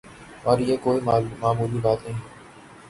اور یہ کوئی معمولی بات نہیں۔